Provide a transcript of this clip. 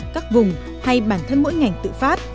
các vùng hay bản thân mỗi ngành tự phát